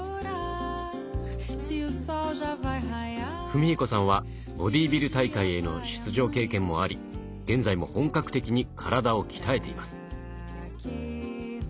史彦さんはボディービル大会への出場経験もあり現在も本格的に体を鍛えています。